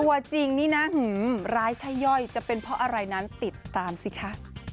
ตัวจริงนี่นะร้ายใช่ย่อยจะเป็นเพราะอะไรนั้นติดตามสิคะ